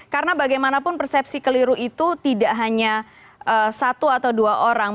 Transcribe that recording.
karena bagaimanapun persepsi keliru itu tidak hanya satu atau dua orang